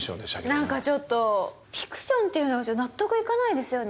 なんかちょっとフィクションっていうのが納得いかないですよね。